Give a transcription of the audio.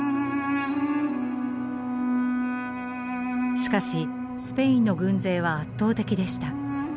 しかしスペインの軍勢は圧倒的でした。